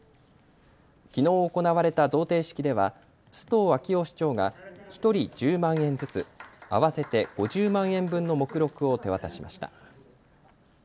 きのう行われた贈呈式では須藤昭男市長が１人１０万円ずつ、合わせて５０万円分の目録を手渡しました。